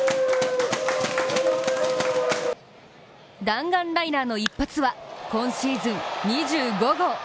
弾丸ライナーの一発は、今シーズン２５号。